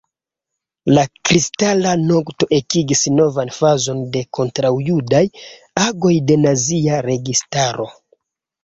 La Kristala nokto ekigis novan fazon de kontraŭjudaj agoj de nazia registaro.